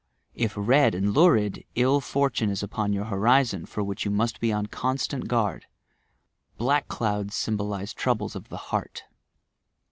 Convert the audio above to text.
If red and lurid, ill fortune is upon your horizon, for which you must be on constant guard. Black clouds symbolize troubles of the heart.